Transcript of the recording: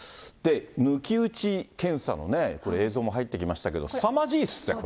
抜き打ち検査のね、これ、映像も入ってきましたけど、すさまじいですね、これ。